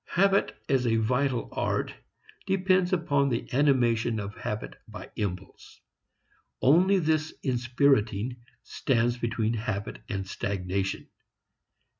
Habit as a vital art depends upon the animation of habit by impulse; only this inspiriting stands between habit and stagnation.